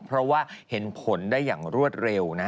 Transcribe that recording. เพราะว่าเห็นผลได้อย่างรวดเร็วนะ